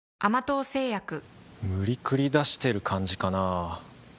無理くり出してる感じかなぁ